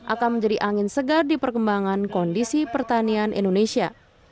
akan menjadi angin segar di perkembangan kondisi pertanian indonesia